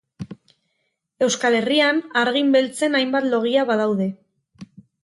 Euskal Herrian hargin beltzen hainbat logia badaude.